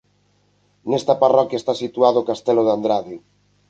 Nesta parroquia esta situado o castelo de Andrade.